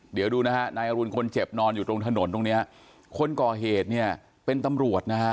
เดี๋ยวดูนะฮะนายอรุณคนเจ็บนอนอยู่ตรงถนนตรงเนี้ยคนก่อเหตุเนี่ยเป็นตำรวจนะฮะ